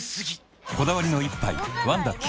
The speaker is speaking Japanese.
こだわりの一杯「ワンダ極」